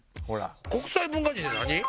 国際文化人って何？